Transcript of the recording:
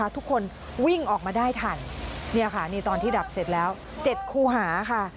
ทุกคนวิ่งออกมาได้ทันนี่ตอนที่ดับเสร็จแล้ว๗คู่หาค่ะ